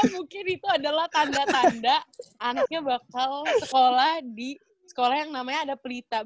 mungkin itu adalah tanda tanda anaknya bakal sekolah di sekolah yang namanya ada pelita